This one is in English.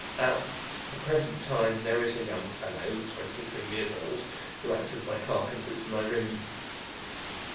At the present time there is a young fellow (23 years old) who acts as my clerk and sits in my room.